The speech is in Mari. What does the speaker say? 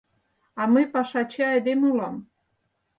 А мый пашаче айдеме улам.